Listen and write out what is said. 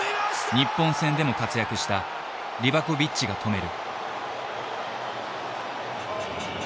日本戦でも活躍したリバコビッチが止める。